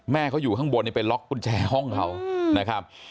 แม่เขาอยู่ข้างบนไปล็อกกุญแจห้องเขานะครับ